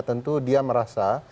tentu dia merasa